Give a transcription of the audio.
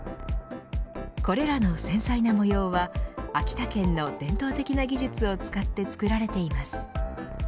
これらの繊細な模様は秋田県の伝統的な技術を使って作られています。